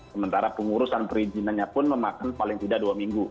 sementara pengurusan perizinannya pun memakan paling tidak dua minggu